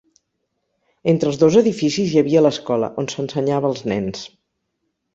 Entre els dos edificis hi havia l'escola, on s'ensenyava als nens.